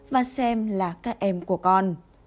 và xem là các em của con